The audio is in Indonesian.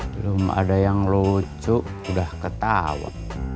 belum ada yang lucu sudah ketawa